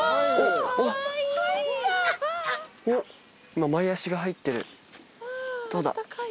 今前足が入ってるどうだ？